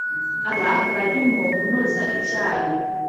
Aba barimokunoza icyayi